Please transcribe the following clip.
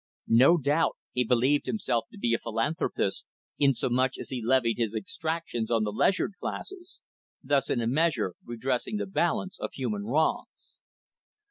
No doubt, he believed himself to be a philanthropist, insomuch as he levied his exactions on the leisured classes; thus, in a measure, redressing the balance of human wrongs.